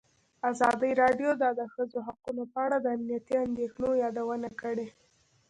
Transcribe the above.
ازادي راډیو د د ښځو حقونه په اړه د امنیتي اندېښنو یادونه کړې.